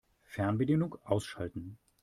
Fernbedienung ausschalten.